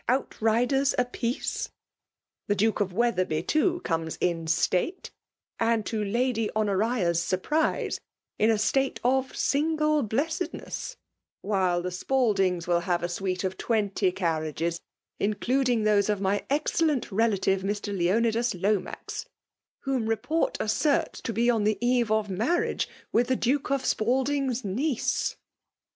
outriders iupieeie. . The Duke of Wetherby, too, comes in ^tafe, Aiid,»to Lady Honotia's surprise, in a state of vSingie btessedness'; while the Spaldings wOl vlivre A suito 'Of twenty carriages, including Aose of my excellent retire, Mr. Leoniilas *Iiomax, whom report asserts to 'be on the eye of marriage with the "Duke of Spaldin^s ilieoe.'